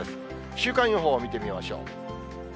週間予報を見てみましょう。